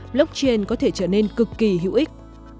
blockchain có thể trở nên cực kỳ hữu ích